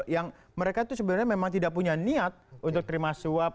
yang mereka itu sebenarnya memang tidak punya niat untuk terima suap